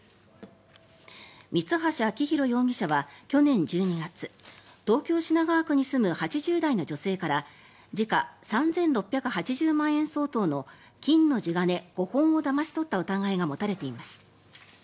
三橋章弘容疑者は去年１２月東京・品川区に住む８０代の女性から時価３６８０万円相当の金の地金５本をだまし取った疑いが持たれています。